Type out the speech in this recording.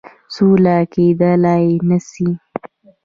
سوله کېدلای نه سي.